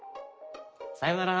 さようなら！